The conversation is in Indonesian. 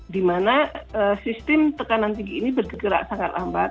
di mana sistem tekanan tinggi ini bergerak sangat lambat